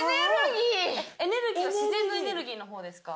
エネルギーは自然のエネルギーの方ですか？